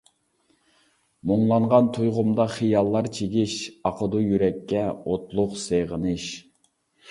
مۇڭلانغان تۇيغۇمدا خىياللار چىگىش، ئاقىدۇ يۈرەككە ئوتلۇق سېغىنىش.